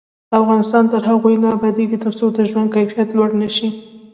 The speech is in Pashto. افغانستان تر هغو نه ابادیږي، ترڅو د ژوند کیفیت لوړ نشي.